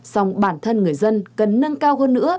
xong bản thân người dân cần nâng cao hơn nữa